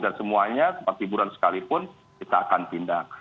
dan semuanya tempat hiburan sekalipun kita akan tindak